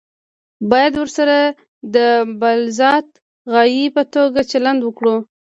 باید ورسره د بالذات غایې په توګه چلند وکړو.